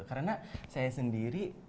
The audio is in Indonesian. karena saya sendiri